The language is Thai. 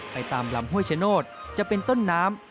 ไปตามลำห้วยชโนธจะเป็นต้นน้ำ